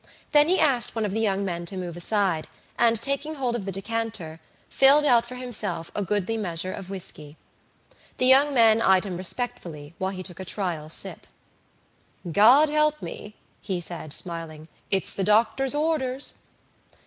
Then he asked one of the young men to move aside, and, taking hold of the decanter, filled out for himself a goodly measure of whisky. The young men eyed him respectfully while he took a trial sip. "God help me," he said, smiling, "it's the doctor's orders."